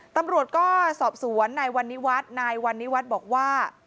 ตำรวจก็สอบสวนนายวันนิวัตลูกบอกว่า